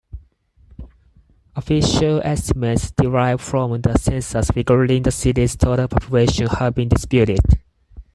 Official estimates derived from the census regarding the city's total population have been disputed.